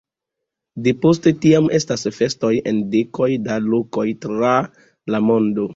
Depost tiam estas festoj en dekoj da lokoj tra la mondo.